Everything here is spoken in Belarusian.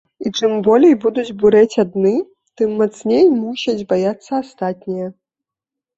І чым болей будуць бурэць адны, тым мацней мусяць баяцца астатнія.